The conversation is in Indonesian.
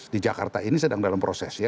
di jakarta ini sedang dalam proses ya